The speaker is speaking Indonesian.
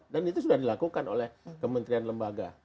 dan itu sudah dilakukan oleh kementerian lembaga